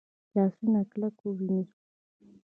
لاسونه کله ووینځو؟